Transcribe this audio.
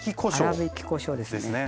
粗びきこしょうですね。